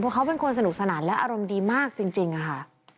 เพราะเขาเป็นคนสนุกสนานและอารมณ์ดีมากจริงค่ะ